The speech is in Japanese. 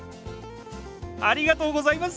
ありがとうございます！